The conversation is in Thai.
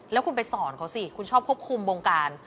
แล้วคุณไปสอนเขาสิคุณชอบควบคุมวงการ